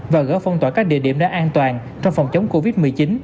và gỡ phong tỏa các địa điểm đến an toàn trong phòng chống covid một mươi chín